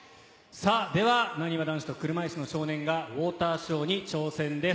では、なにわ男子と車いすの少年がウォーターショーに挑戦です。